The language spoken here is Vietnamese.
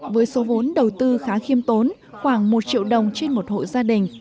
với số vốn đầu tư khá khiêm tốn khoảng một triệu đồng trên một hộ gia đình